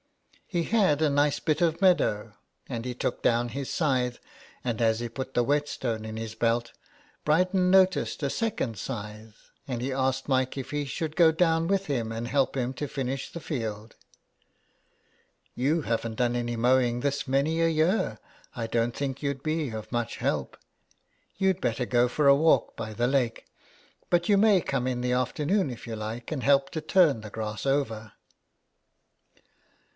He had a nice bit of meadow, and he took down his scythe, and as he put the whetstone in his belt Bryden noticed a second scythe, and he asked Mike if he should go down with him and help him to finish the field. " You havn't done any mowing this many a year ; I don't think you'd be of much help. You'd better go for a walk by the lake, but you may come in the afternoon if you like and help to turn the grass over."